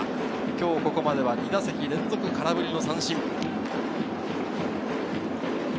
今日ここまでは２打席連続空振り三振。